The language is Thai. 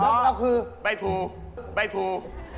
นึกเราคือใบพูใบพู